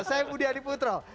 saya budi adiputro